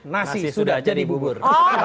nasi sudah jadi bubur